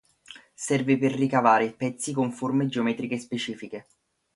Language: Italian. Serve per ricavare pezzi con forme geometriche specifiche.